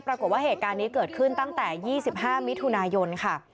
ปรากฏว่าเหตุการณ์นี้เกิดขึ้นตั้งแต่๒๕มิถุนายนค่ะ